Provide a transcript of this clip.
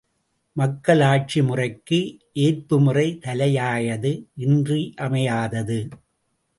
மக்களாட்சி முறைக்கு ஏற்புமுறை தலையாயது இன்றியமையாதது.